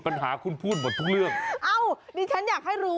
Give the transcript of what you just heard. ปัญหาคุณพูดหมด